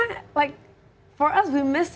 untuk kita kita menyesal